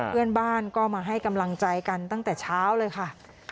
เพื่อนบ้านก็มาให้กำลังใจกันตั้งแต่เช้าเลยค่ะ